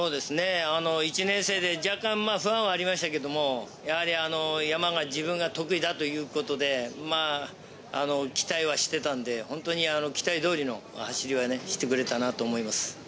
１年生で若干不安はありましたけれど、山が自分は得意だということで期待はしていたので、本当に期待通りの走りをしてくれたなと思います。